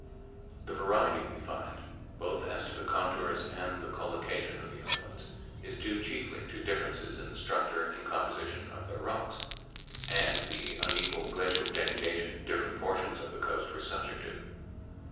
The variety we find, both as to the contours and the collocation of the islands, is due chiefly to differences in the structure and composition of their rocks, and the unequal glacial denudation different portions of the coast were subjected to.